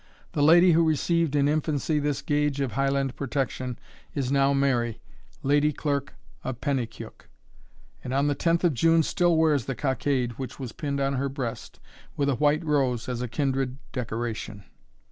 The lady who received in infancy this gage of Highland protection, is now Mary, Lady Clerk of Pennycuik; and on the 10th of June still wears the cockade which was pinned on her breast, with a white rose as a kindred decoration.